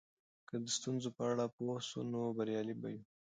که د ستونزو په اړه پوه سو نو بریالي به یو.